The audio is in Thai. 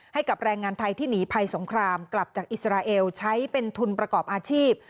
ให้กับแรงงานไทยที่หนีภัยสงครามกลับจากอิสราเอลใช้เป็นทุนประกอบอาชีพ